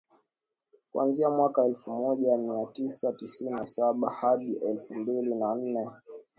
kuanzia mwaka elfu moja mia tisa tisini na saba hadi elfu mbili na nne